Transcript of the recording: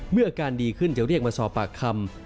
อาการดีขึ้นจะเรียกมาสอบปากคำ